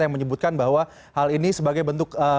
yang menyebutkan bahwa hal ini sebagai bentuk